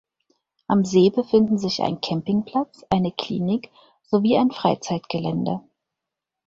Am See befinden sich ein Campingplatz, eine Klinik, sowie ein Freizeitgelände.